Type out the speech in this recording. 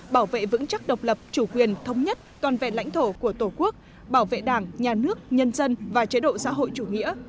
bảo vệ vững chắc độc lập chủ quyền thống nhất toàn vẹn lãnh thổ của tổ quốc bảo vệ đảng nhà nước nhân dân và chế độ xã hội chủ nghĩa